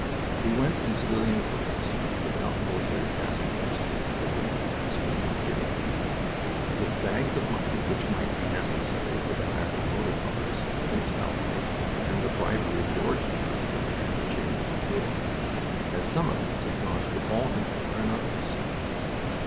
We went in civilian clothes without military passports the War Office was not giving any with bags of money which might be necessary for the hire of motor cars, hotel life, and the bribery of doorkeepers in the antechambers of war, as some of us had gone to the Balkan War, and others.